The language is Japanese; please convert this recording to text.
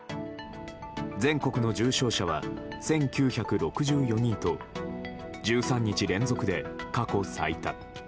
全国の重症者は１９６４人と１３日連続で過去最多。